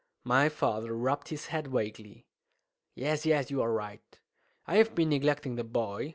My father rubbed his head vaguely. "Yes, yes, you are right. I have been neglecting the boy.